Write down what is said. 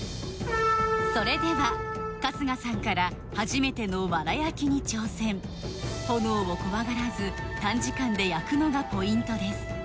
それでは春日さんから初めての藁焼きに挑戦炎を怖がらず短時間で焼くのがポイントです